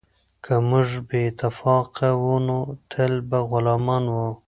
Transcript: که موږ بې اتفاقه وو نو تل به غلامان وو.